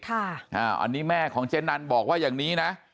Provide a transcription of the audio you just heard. อันนี้แม่ของเจ๊นันบอกว่าอย่างนี้นะ